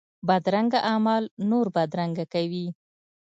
بدرنګه عمل نور بدرنګه کوي